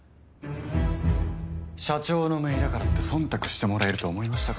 社長のめいだからってそんたくしてもらえると思いましたか？